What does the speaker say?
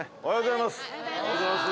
おはようございます。